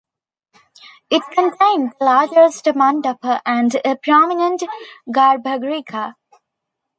It contained the largest Mandapa and a prominent Garbagriha.